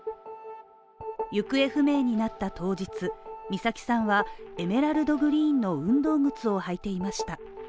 行方不明になった当日、美咲さんはエメラルドグリーンの運動靴を履いていました。